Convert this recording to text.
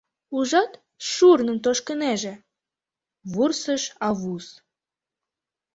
— Ужат, шурным тошкынеже! — вурсыш Аввус.